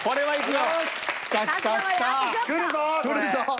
はい。